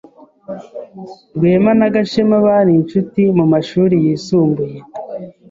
Rwema na Gashema bari inshuti mumashuri yisumbuye